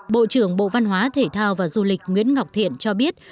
bộ trưởng bộ văn hóa thể thao và du lịch nguyễn ngọc thiện cho biết